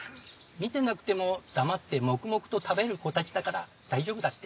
見てなくても黙って黙々と食べる子たちだから大丈夫だって。